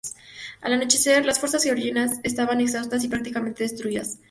Al anochecer, las fuerzas georgianas estaban exhaustas y prácticamente destruidas.